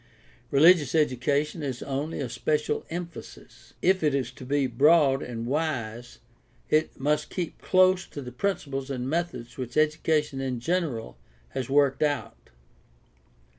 Religious education is only a special emphasis. If it is to be broad and wise it must keep close to the principles and methods which education in general has worked out.